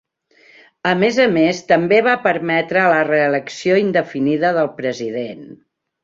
A més a més, també va permetre la reelecció indefinida del president.